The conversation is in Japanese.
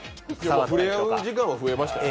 いやまあ触れ合う時間は増えましたよ